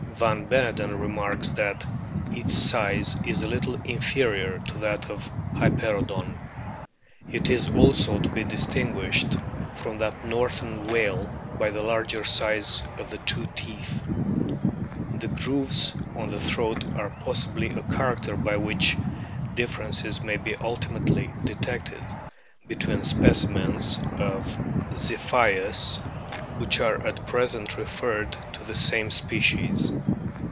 Van Beneden remarks that o its size is a little inferior to that of Hyperoodon. It is also to be distinguished from that northern whale by the larger size of the two teeth. The grooves on the o o throat are possibly a character by which differences may be ultimately detected between specimens of < 1 BEAKED WHALES 235 iitS) which are at present referred to the same species.